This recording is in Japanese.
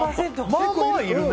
まあまあいるね。